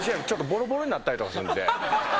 ボロボロになったりとかするんで。